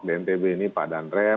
dntb ini pak dhanrem